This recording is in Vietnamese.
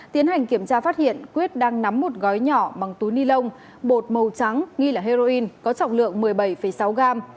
tiến hành kiểm tra phát hiện quyết đang nắm một gói nhỏ bằng túi ni lông bột màu trắng nghi là heroin có trọng lượng một mươi bảy sáu gram